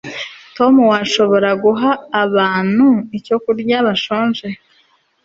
tom, washobora guha aba bantu bashonje icyo kurya